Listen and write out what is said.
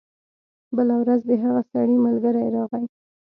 بله ورځ د هغه سړي ملګری راغی.